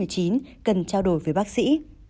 cần trao đổi với bác sĩ